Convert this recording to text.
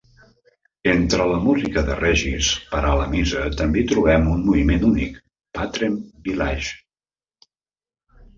Entre la música de Regis per a la missa també hi trobem un moviment únic, "Patrem Vilayge".